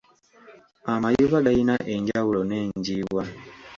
Amayuba gayina enjawulo n'enjiibwa.